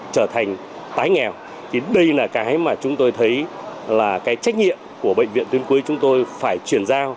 trở thành tái nghèo thì đây là cái mà chúng tôi thấy là cái trách nhiệm của bệnh viện tuyến cuối chúng tôi phải chuyển giao